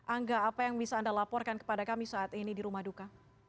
angga apa yang bisa anda laporkan kepada kami saat ini di rumah duka